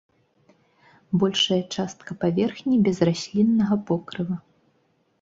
Большая частка паверхні без расліннага покрыва.